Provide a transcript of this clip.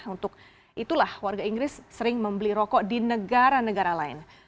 untuk itulah warga inggris sering membeli rokok di negara negara lain